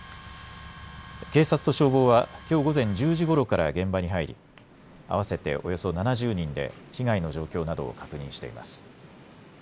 警察と消防は、きょう午前１０時ごろから現場に入り、合わせておよそ７０人で被害の状況などを確認しています。